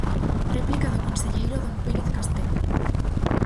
Réplica do conselleiro don Pérez Castenda.